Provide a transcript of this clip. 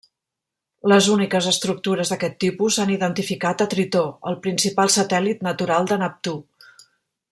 Les úniques estructures d'aquest tipus s'han identificat a Tritó, el principal satèl·lit natural de Neptú.